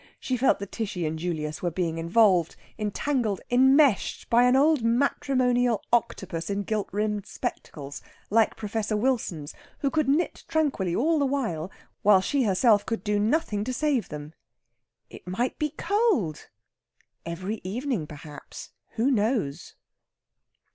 She felt that Tishy and Julius were being involved, entangled, immeshed by an old matrimonial octopus in gilt rimmed spectacles like Professor Wilson's who could knit tranquilly all the while, while she herself could do nothing to save them. "It might be cold!!" Every evening, perhaps who knows?